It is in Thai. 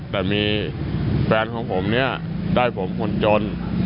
แต่มีแฟนของผมเนี่ยได้ผมคนจน